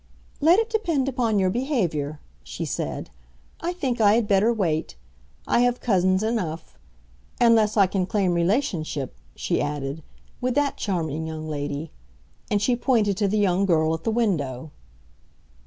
"Let it depend upon your behavior," she said. "I think I had better wait. I have cousins enough. Unless I can also claim relationship," she added, "with that charming young lady," and she pointed to the young girl at the window.